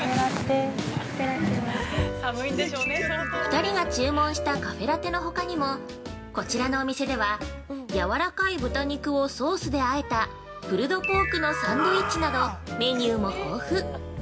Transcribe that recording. ◆２人が注文したカフェラテのほかにも、こちらのお店では軟らかい豚肉をソースであえたプルドポークのサンドイッチなどメニューも豊富。